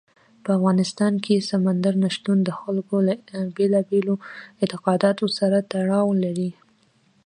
په افغانستان کې سمندر نه شتون د خلکو له بېلابېلو اعتقاداتو سره تړاو لري.